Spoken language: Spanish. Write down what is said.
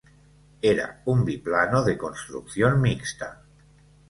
Era un biplano de construcción mixta.